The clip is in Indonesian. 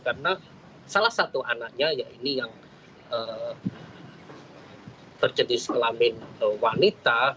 karena salah satu anaknya ya ini yang berjenis kelamin wanita